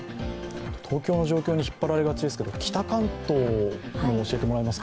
東京の状況に引っ張られがちですが北関東も教えてもらえますか。